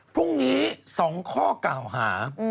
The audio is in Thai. พรุ่งนี้๒ข้อกล่าวหา